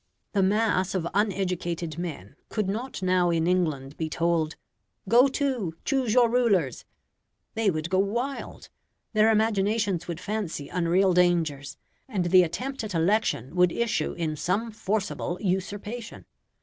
The mass of uneducated men could not now in England be told "go to, choose your rulers;" they would go wild; their imaginations would fancy unreal dangers, and the attempt at election would issue in some forcible usurpation.